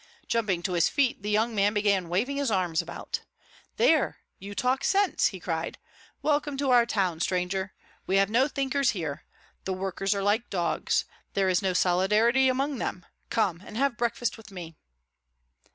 Jumping to his feet the young man began waving his arms about. "There, you talk sense," he cried. "Welcome to our town, stranger. We have no thinkers here. The workers are like dogs. There is no solidarity among them. Come and have breakfast with me."